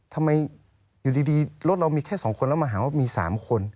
ทำไมอยู่ดีรถเรามีแค่๒คนแล้วมาหาว่ามี๓คน